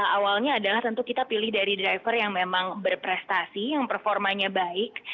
awalnya adalah tentu kita pilih dari driver yang memang berprestasi yang performanya baik